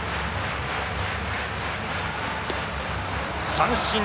三振。